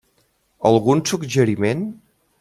Algun suggeriment?